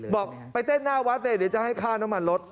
บอกไปเต้นหน้าวัดสิเดี๋ยวจะให้ค่าน้ำมันรถ